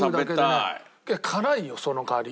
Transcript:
辛いよその代わり。